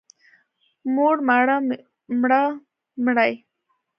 موړ، ماړه، مړه، مړې.